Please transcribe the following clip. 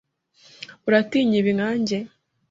Uratinya ibi nkanjye?